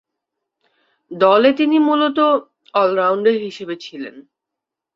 দলে তিনি মূলতঃ অল-রাউন্ডার হিসেবে ছিলেন।